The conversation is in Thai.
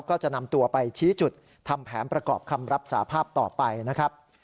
ก็จะนำตัวไปชี้จุดทำแผนประกอบคำรับสาภาพต่อไปนะครับ